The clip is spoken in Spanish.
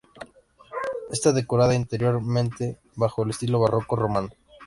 Está decorada interiormente bajo el estilo barroco romano.